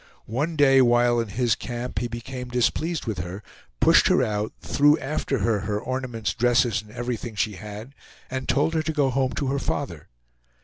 One day while in his camp he became displeased with her, pushed her out, threw after her her ornaments, dresses, and everything she had, and told her to go home to her father.